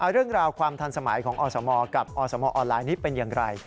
เรื่องราวความทันสมัยของอสมกับอสมออนไลน์นี้เป็นอย่างไร